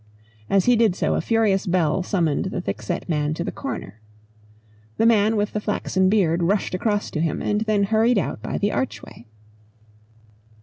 As he did so a furious bell summoned the thickset man to the corner. The man with the flaxen beard rushed across to him and then hurried out by the archway.